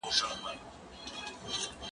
زه اوږده وخت بوټونه پاکوم؟